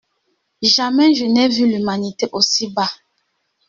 Jamais je n'ai vu l'humanité aussi bas.